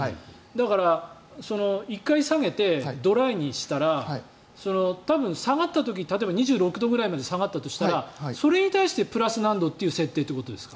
だから１回下げてドライにしたら多分、下がった時２６ぐらいまで下がったとしたらそれに対してプラス何度って設定ということですか？